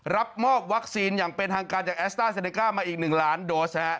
รับมอบวัคซีนอย่างเป็นทางการจากแอสต้าเซเนก้ามาอีก๑ล้านโดส